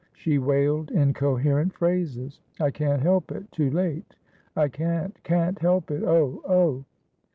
She wailed incoherent phrases. "I can't help ittoo lateI can't, can't help it oh! oh!"